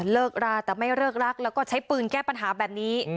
เลิกราแต่ไม่เลิกรักแล้วก็ใช้ปืนแก้ปัญหาแบบนี้